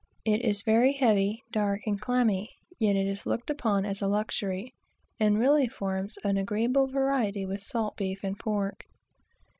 It is very heavy, dark, and clammy, yet it is looked upon as a luxury, and really forms an agreeable variety with salt beef and pork.